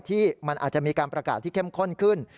ที่มันอาจจะมีการประกาศที่เข้มข้นขึ้น